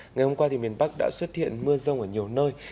ngày hôm qua thì miền bắc đã xuất hiện mưa rông ở nhiều nơi